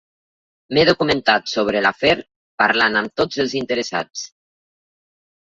M'he documentat sobre l'afer parlant amb tots els interessats.